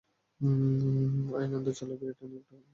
অ্যাই নান্দু, চল বিড়ি টানি একটু।